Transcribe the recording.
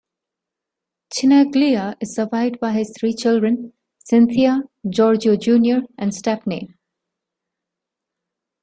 Chinaglia is survived by his three children, Cynthia, Giorgio Junior and Stephanie.